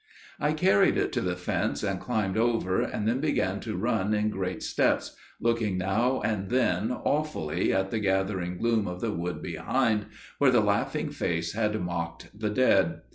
"I carried it to the fence and climbed over, and then began to run in great steps, looking now and then awfully at the gathering gloom of the wood behind, where the laughing face had mocked the dead.